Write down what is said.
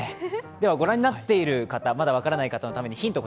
では、ご覧になっている方、まだ分からない方のためにヒント